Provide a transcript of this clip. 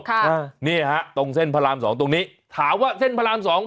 ค่ะนี่ฮะตรงเส้นพระรามสองตรงนี้ถามว่าเส้นพระรามสอง